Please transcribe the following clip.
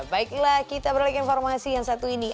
baiklah kita beralih ke informasi yang satu ini